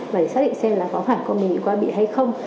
và xác định xem là có phải con bệnh bị quay bị hay không